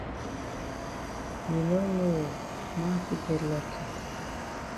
You no know oo man fit get lucky.